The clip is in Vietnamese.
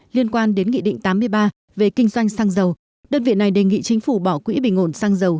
liên quan đến nghị định tám mươi ba về kinh doanh xăng dầu đơn vị này đề nghị chính phủ bỏ quỹ bình ổn xăng dầu